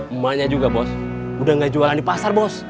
emaknya juga bos udah gak jualan di pasar bos